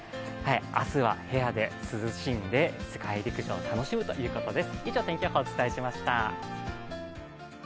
明日は部屋で涼しんで、世界陸上を楽しむということです。